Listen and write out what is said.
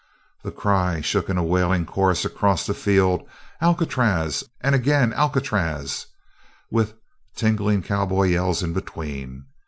The cry shook in a wailing chorus across the field: "Alcatraz!" and again: "Alcatraz!" With tingling cowboy yells in between.